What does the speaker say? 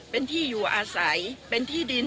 เป็นที่อยู่อาศัยเป็นที่ดิน